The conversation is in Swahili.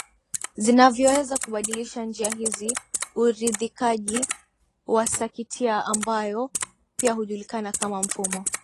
zinavyoweza kubadilisha njia hizi Uridhikaji wa sakitiambayo pia hujulikana kama mfumo